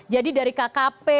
jadi dari kkp